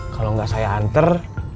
kalau gak saya hantar